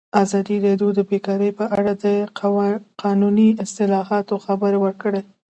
ازادي راډیو د بیکاري په اړه د قانوني اصلاحاتو خبر ورکړی.